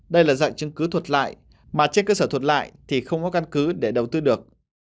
đây là dạy chứng cứ thuật lại mà trên cơ sở thuận lại thì không có căn cứ để đầu tư được